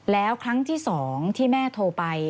แล้วครั้งที่๒ที่แม่โทรไป